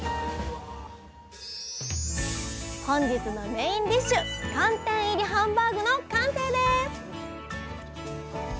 本日のメインディッシュ寒天入りハンバーグの完成です